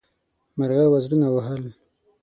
مرغه وزرونه ووهل.